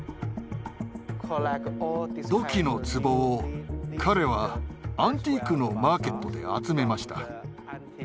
土器のつぼを彼はアンティークのマーケットで集めました。